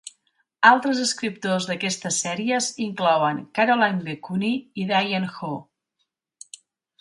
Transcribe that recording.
Altres escriptors d'aquestes sèries inclouen Caroline B. Cooney i Diane Hoh.